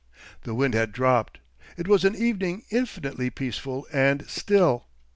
The wind had dropped; it was an evening infinitely peaceful and still.